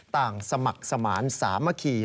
ต่างสมัครสมาร์นสามคีย์